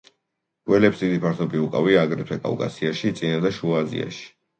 ველებს დიდი ფართობი უკავია აგრეთვე კავკასიაში, წინა და შუა აზიაში.